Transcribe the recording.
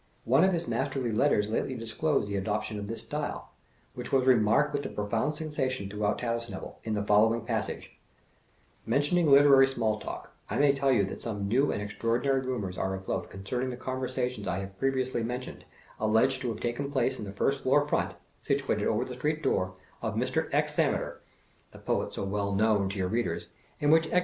One of his masterly letters, lately, disclosed the adoption of this style — which was remarked with pro found sensation throughout Tattlesnivel — in the following passage :" Mentioning literary small talk, I may tell you that some new and extraordinary rumors are afloat concern ing the conversations I have previously mentioned, alleged to have taken place in the first floor front (situated over the street door), of Mr, X. Ameter (the poet so well known to your readers), in which X.